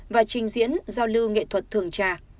và trình diễn giao lưu nghệ thuật thường trà